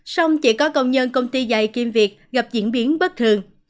xong chỉ có công nhân công ty dạy kiêm việc gặp diễn biến bất thường